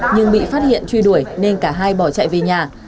nhưng bị phát hiện truy đuổi nên cả hai bỏ chạy về nhà